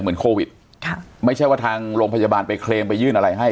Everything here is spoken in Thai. เหมือนโควิดค่ะไม่ใช่ว่าทางโรงพยาบาลไปเคลมไปยื่นอะไรให้